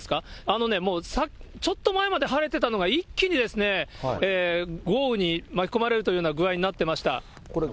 あのね、もうちょっと前まで晴れてたのが、一気に豪雨に巻き込まれるという具合になってました。